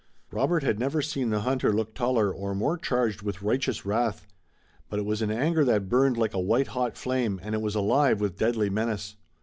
Robert had never seen the hunter look taller or more charged with righteous wrath. But it was an anger that burned like a white hot flame, and it was alive with deadly menace.